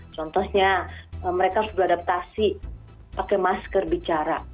contohnya mereka harus beradaptasi pakai masker bicara